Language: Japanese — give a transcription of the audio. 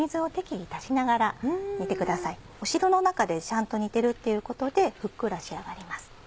汁の中でちゃんと煮てるっていうことでふっくら仕上がります。